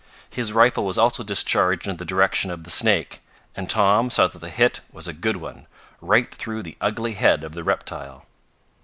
His rifle was also discharged in the direction of the snake, and Tom saw that the hit was a good one, right through the ugly head of the reptile.